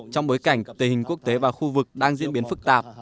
trong bối cảnh tình hình quốc tế và khu vực đang diễn biến phức tạp